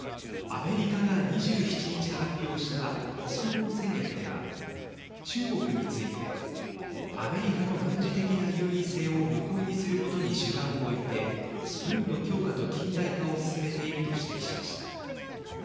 アメリカが２７日発表した国防戦略では中国についてアメリカの軍事的な優位性を無効にすることに主眼をおいて軍の強化と近代化を進めていると指摘しました。